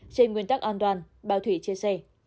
trên nguyên tắc an toàn bà thủy chia sẻ